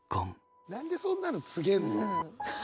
何でそんなの告げるの？